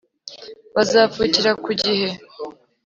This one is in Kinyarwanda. Bazavukira ku gihe.